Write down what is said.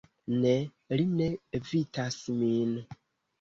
Ne, li ne evitas min.